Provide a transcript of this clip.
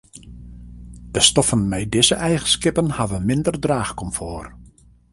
De stoffen mei dizze eigenskippen hawwe minder draachkomfort.